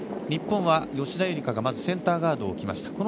日本は吉田夕梨花がセンターガードを置きました。